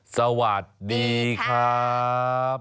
สวัสดีครับ